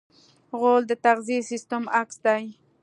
غول د تغذیې سیستم عکس دی.